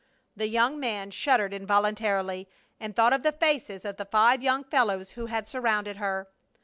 The young man shuddered involuntarily, and thought of the faces of the five young fellows who had surrounded her.